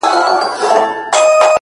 دې لېوني پنځه وارې څيښلي شراب”